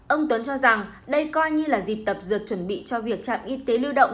ông tuấn cho rằng đây coi như là dịp tập dượt chuẩn bị cho việc trạm y tế lưu động